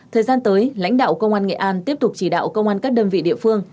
thời gian tới lãnh đạo công an nghệ an tiếp tục chỉ đạo công an các đơn vị địa phương